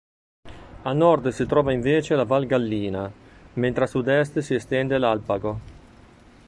A nord si trova invece la val Gallina, mentre a sudest si estende l'Alpago.